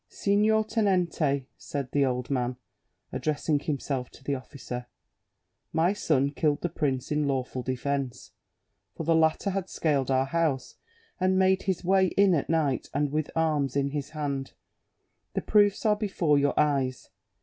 "Signor tenente," said the old man, addressing himself to the officer, "my son killed the prince in lawful defence, for the latter had scaled our house and made his way in at night and with arms in his hand. The proofs are before your eyes.